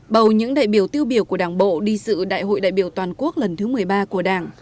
bầu những đại biểu tiêu biểu của đảng bộ đi sự đại hội đại biểu toàn quốc lần thứ một mươi ba của đảng